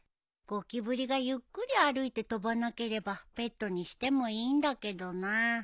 ゴキブリがゆっくり歩いて飛ばなければペットにしてもいいんだけどな。